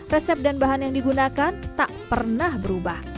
resep dan bahan yang digunakan tak pernah berubah